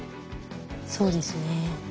そうですね。